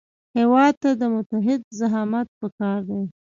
هېواد ته متعهد زعامت پکار دی